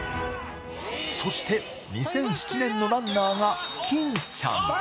そして、２００７年のランナーが欽ちゃん。